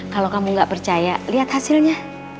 kalau kamu nggak percaya lihat hasilnya